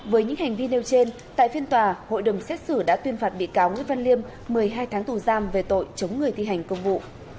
với những hành vi nêu trên tại phiên tòa hội đồng xét xử đã tuyên phạt bị cáo nguyễn văn liêm một mươi hai tháng tù giam về tội chống người thi hành công vụ